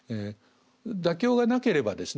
妥協がなければですね